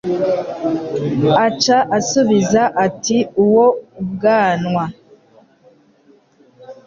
Aca asubiza ati Uwo ubwanwa